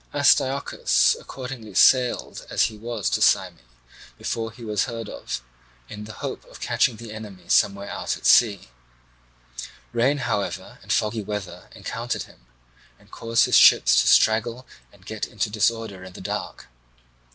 Astyochus accordingly sailed as he was to Syme, before he was heard of, in the hope of catching the enemy somewhere out at sea. Rain, however, and foggy weather encountered him, and caused his ships to straggle and get into disorder in the dark.